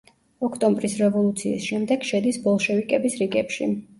ოქტომბრის რევოლუციის შემდეგ შედის ბოლშევიკების რიგებში.